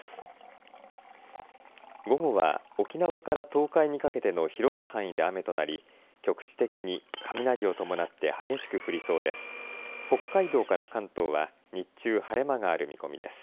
東海にかけて広い範囲で雨となり局地的に雨を伴って激しく降りそうです。